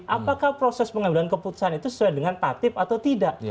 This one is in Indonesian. apakah proses pengambilan keputusan itu sesuai dengan tatib atau tidak